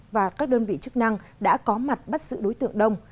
và các đơn vị chức năng đã có mặt bắt giữ đối tượng đông